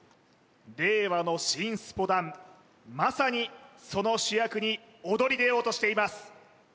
令和の新スポダンまさにその主役に躍り出ようとしています